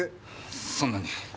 そんなに。